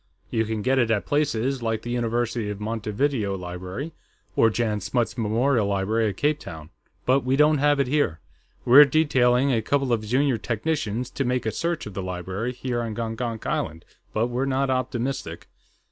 You can get it at places like the University of Montevideo Library, or Jan Smuts Memorial Library at Cape Town. But we don't have it here. We're detailing a couple of junior technicians to make a search of the library here on Gongonk Island, but we're not optimistic.